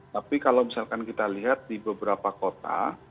tapi kalau misalkan kita lihat di beberapa kota